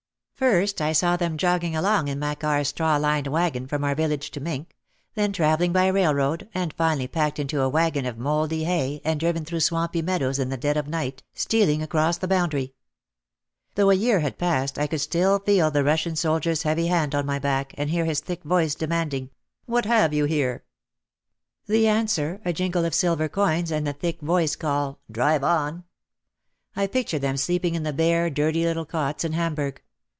First I saw them jogging along in Makar's straw lined wagon from our village to Mintck, then travelling by railroad and finally packed into a wagon of mouldy hay and driven through swampy meadows in the dead of night, stealing across the boundary. Though a year had passed I could still feel the Russian soldier's heavy hand on my back, and hear his thick voice demanding, "What have you WITH BABY ON ONE ARM, A BUNDLE ON THE OTHER. OUT OF THE SHADOW 143 here?" The answer a jingle of silver coins and the thick voice call, "Drive on!" I pictured them sleeping in the bare, dirty little cots in Hamburg.